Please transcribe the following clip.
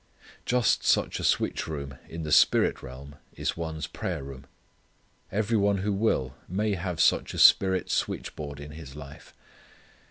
Just such a switch room in the spirit realm is one's prayer room. Every one who will may have such a spirit switching board in his life.